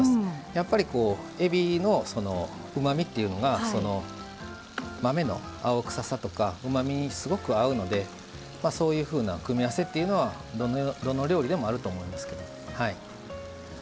やっぱりえびのそのうまみというのが豆の青臭さとかうまみにすごく合うのでそういうふうな組み合わせっていうのはどの料理でもあると思いますけど。